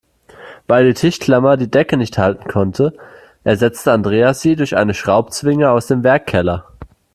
Weil die Tischklammer die Decke nicht halten konnte, ersetzte Andreas sie durch eine Schraubzwinge aus dem Werkkeller.